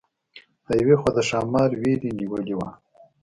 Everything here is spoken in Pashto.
د یوې خوا د ښامار وېرې نیولې وه.